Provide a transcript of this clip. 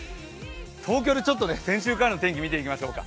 東京で先週からの天気見ていきましょうか。